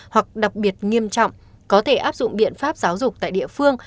hoặc đặc biệt nghiêm trọng có thể áp dụng biện pháp giáo dục tại địa phương